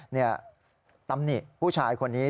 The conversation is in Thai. นี่ตำหนิผู้ชายคนนี้